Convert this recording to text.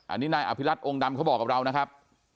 อันนี้นายอภิรัตองค์ดำเขาบอกกับเรานะครับ